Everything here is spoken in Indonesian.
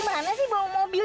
adaptasi ini sudah berhasil